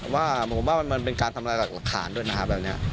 ผมว่ามันเป็นการทำอะไรกับขาดด้วยนะครับ